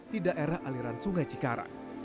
di daerah aliran sungai cikarang